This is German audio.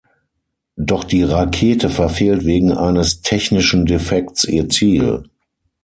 Doch die Rakete verfehlt wegen eines technischen Defekts ihr Ziel.